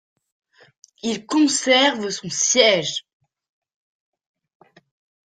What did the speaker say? Il conserve son siège.